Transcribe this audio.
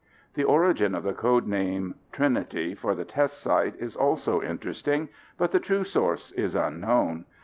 The origin of the code name Trinity for the test site is also interesting, but the true source is unknown.